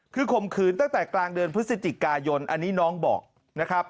คือข่มขืนตั้งแต่กลางเดือนพฤศจิกายนอันนี้น้องบอกนะครับ